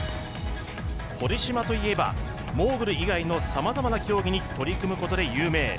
堀島といえばモーグル以外のさまざまな競技に取り組むことで有名。